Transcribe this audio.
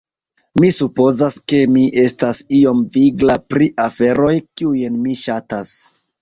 ... mi supozas ke mi estas iom vigla pri aferoj, kiujn mi ŝatas.